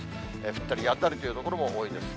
降ったりやんだりという所も多いです。